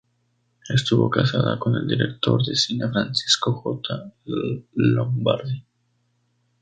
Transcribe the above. Estuvo casada con el director de cine Francisco J. Lombardi.